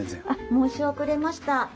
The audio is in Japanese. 申し遅れました。